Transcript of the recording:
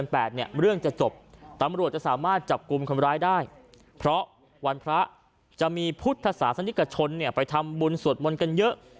เพราะวันพระจะมีพุทธศาสนิกชนไปทำบุญสวดบนกันเยอะ